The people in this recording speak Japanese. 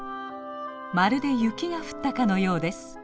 まるで雪が降ったかのようです。